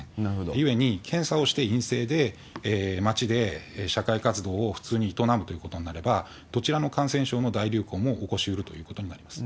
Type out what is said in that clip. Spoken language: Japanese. ゆえに、検査をして陰性で、街で社会活動を普通に営むということになれば、どちらの感染症の大流行も起こしうるということになります。